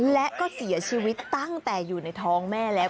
และก็เสียชีวิตตั้งแต่อยู่ในท้องแม่แล้ว